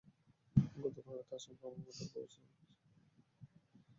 গতকাল রাতে, আচমকা আমার মাথার উপর বাজ ছুড়ে মেরেছে।